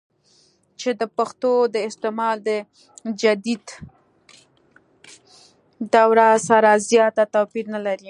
چې دَپښتو دَاستعمال دَجديد دور سره زيات توپير نۀ لري